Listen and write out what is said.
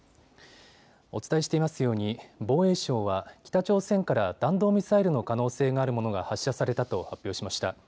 お伝えしていますように防衛省は北朝鮮から弾道ミサイルの可能性があるものが発射されたと発表しました。